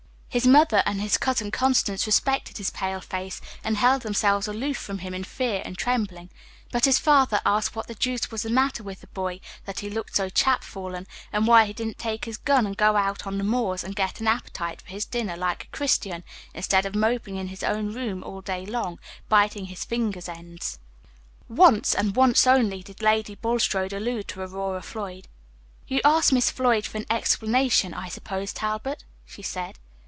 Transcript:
His mother and his cousin Constance respected his pale face, and held themselves aloof from him in fear and trembling; but his father asked what the deuce was the matter with the boy, that he looked so chapfallen, and why he didn't take his gun and go out on the moors, and get an appetite for his dinner like a Christian, instead of moping in his own rooms all day long, biting his fingers' ends. Once, and once only, did Lady Bulstrode allude to Aurora Floyd. "You asked Miss Floyd for an explanation, I suppose, Talbot?" she said.